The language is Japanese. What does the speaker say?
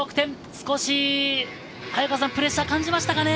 少しプレッシャーを感じましたかね。